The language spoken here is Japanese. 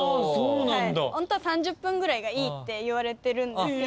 ホントは３０分ぐらいがいいっていわれてるんですけど。